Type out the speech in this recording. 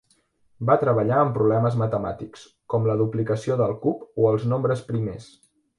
Va treballar amb problemes matemàtics, com la duplicació del cub o els nombres primers.